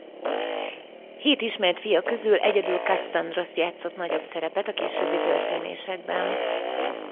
Hét ismert fia közül egyedül Kasszandrosz játszott nagyobb szerepet a későbbi történésekben.